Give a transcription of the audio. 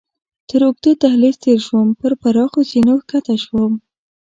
تر اوږده دهلېز تېر شوم، پر پراخو زینو کښته شوم.